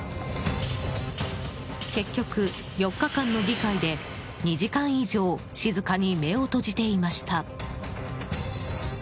結局、４日間の議会で２時間以上静かに目を閉じていました。